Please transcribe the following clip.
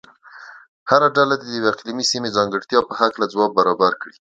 هره ډله دې د یوې اقلیمي سیمې ځانګړتیا په هلکه ځواب برابر کړي.